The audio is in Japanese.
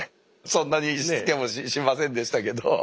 そんなにしつけもしませんでしたけど。